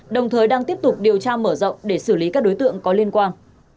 đồng thời đang tiếp tục điều tra mở rộng để xử lý các đối tượng có liên quan